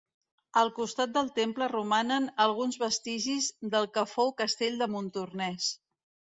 Al costat del temple romanen alguns vestigis del que fou castell de Montornès.